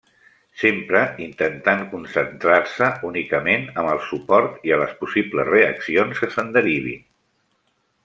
Sempre intentant concentrar-se únicament amb el suport i a les possibles reaccions que se'n derivin.